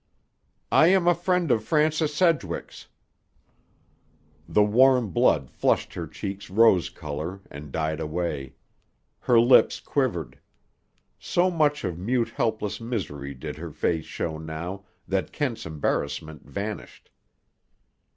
"I am a friend of Francis Sedgwick's." The warm blood flushed her cheeks rose color, and died away. Her lips quivered. So much of mute helpless misery did her face show, that Kent's embarrassment vanished.